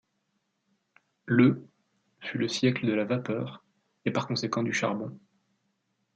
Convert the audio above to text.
Le fut le siècle de la vapeur, et par conséquent du charbon.